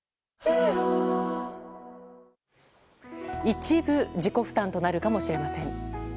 一部自己負担となるかもしれません。